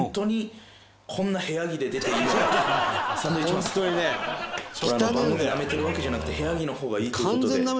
番組なめてるわけじゃなくて部屋着の方がいいという事で。